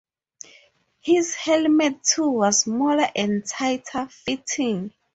His helmet too was smaller and tighter-fitting.